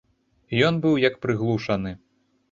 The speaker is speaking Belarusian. Ён быў як прыглушаны.